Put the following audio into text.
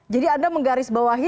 jadi anda menggarisbawahi